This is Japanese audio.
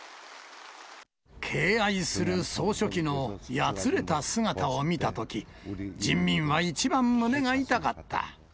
敬愛する総書記のやつれた姿を見たとき、人民は一番胸が痛かった。